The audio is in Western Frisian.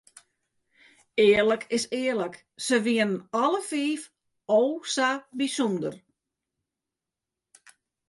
Earlik is earlik, se wienen alle fiif o sa bysûnder.